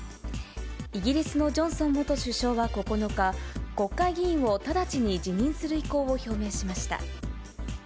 イギリスのジョンソン元首相は９日、国会議員を直ちに辞任する意向を表明しました。